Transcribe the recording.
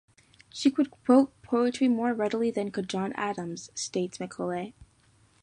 "She could quote poetry more readily than could John Adams," states McCullogh.